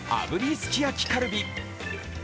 すき焼きカルビ。